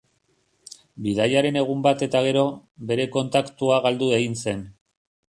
Bidaiaren egun bat eta gero, bere kontaktua galdu egin zen.